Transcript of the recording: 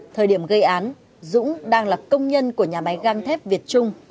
thời điểm gây án dũng đang là công nhân của nhà máy gang thép việt trung